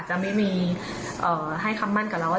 จะไม่มีให้คำมั่นกับเราว่า